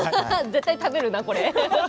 絶対食べるな、これ。